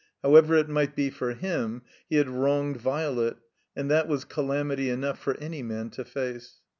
However it might be for him» he had wronged Violet, and that was calamity enough for any man to face.